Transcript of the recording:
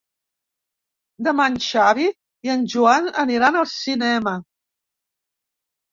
Demà en Xavi i en Joan aniran al cinema.